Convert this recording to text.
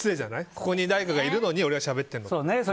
ここに俺がいるのに俺がしゃべってるのは。